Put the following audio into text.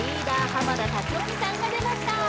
濱田龍臣さんが出ました